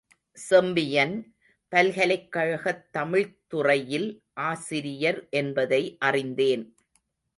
செம்பியன், பல்கலைக் கழகத் தமிழ்த் துறையில் ஆசிரியர் என்பதை அறிந்தேன்.